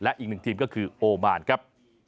และอีกหนึ่งทีมก็คือโอมานครับ